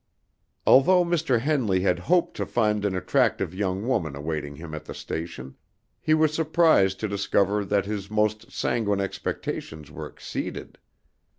Although Mr. Henley had hoped to find an attractive young woman awaiting him at the station, he was surprised to discover that his most sanguine expectations were exceeded.